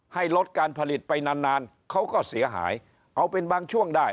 ให้ลดการผลิตไปนานนานเขาก็เสียหายเอาเป็นบางช่วงได้